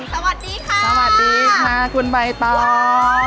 สวัสดีค่ะสวัสดีค่ะคุณใบตอง